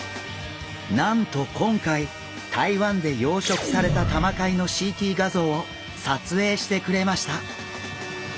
なんと今回台湾で養殖されたタマカイのＣＴ画像を撮影してくれました。